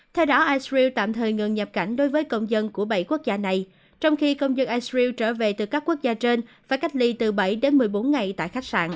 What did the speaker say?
theo đó israel tạm thời ngừng nhập cảnh đối với công dân của bảy quốc gia này trong khi công dân israel trở về từ các quốc gia trên và cách ly từ bảy đến một mươi bốn ngày tại